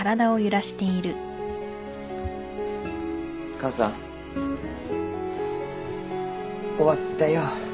母さん終わったよ。